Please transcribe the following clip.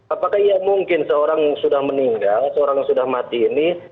apakah ya mungkin seorang sudah meninggal seorang yang sudah mati ini